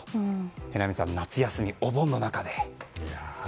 榎並さん夏休み、お盆の中で。